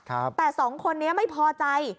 แต่สองคนนี้ไม่พอใจ